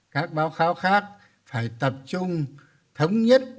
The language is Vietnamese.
các báo cáo khác phải tập trung thống nhất